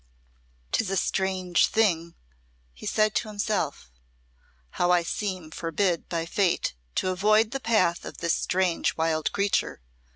"'Tis a strange thing," he said to himself, "how I seem forbid by Fate to avoid the path of this strange wild creature.